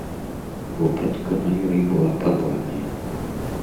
Вопратка на ёй была парваная.